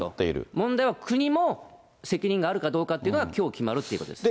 問題は、国も責任があるかどうかっていうのが、きょう決まるっていうことです。